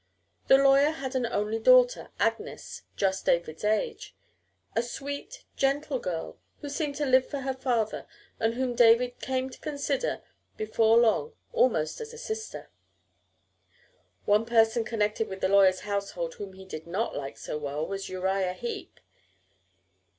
The lawyer had an only daughter, Agnes, just David's age, a sweet, gentle girl, who seemed to live for her father, and whom David came to consider before long almost as a sister. One person connected with the lawyer's household whom he did not like so well was Uriah Heep.